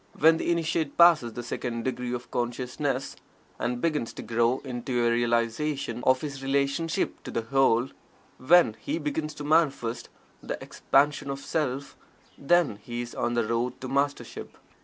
When the Initiate passes the second degree of consciousness, and begins to grow into a realization of his relationship to the Whole when he begins to manifest the Expansion of Self then is he on the road to Mastership.